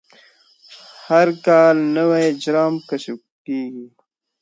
هر کال نوي اجرام کشف کېږي.